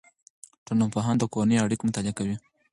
ټولنپوهنه د کورنیو اړیکو مطالعه هم کوي.